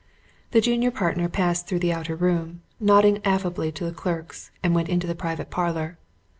The junior partner passed through the outer room, nodding affably to the clerks and went into the private parlour.